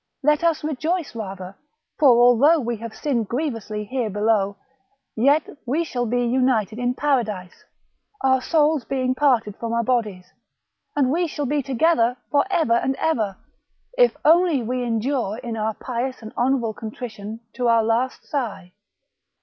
Let us rejoice rather, for although we have sinned grievously here below, yet we shall be united in Paradise, our souls bemg parted from our bodies, and we shall be together for ever and ever, if only we endure in our pious and honourable contrition to our last sigh."